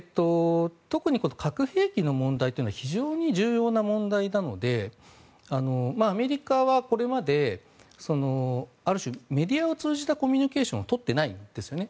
特に核兵器の問題というのは非常に重要な問題なのでアメリカはこれまである種、メディアを通じたコミュニケーションを取ってないんですね。